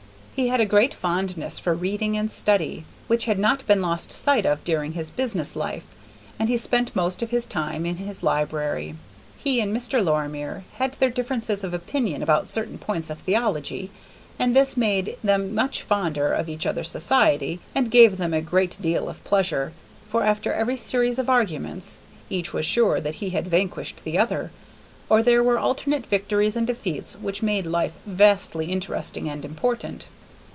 He had a great fondness for reading and study, which had not been lost sight of during his business life, and he spent most of his time in his library. He and Mr. Lorimer had their differences of opinion about certain points of theology, and this made them much fonder of each other's society, and gave them a great deal of pleasure; for after every series of arguments, each was sure that he had vanquished the other, or there were alternate victories and defeats which made life vastly interesting and important.